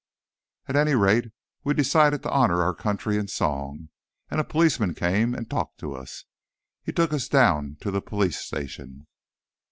"At any rate, we decided to honor our country in song. And a policeman came and talked to us. He took us down to the police station."